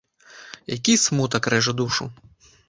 Які смутак рэжа душу!